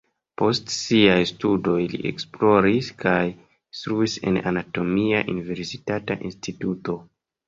Post siaj studoj li esploris kaj instruis en anatomia universitata instituto.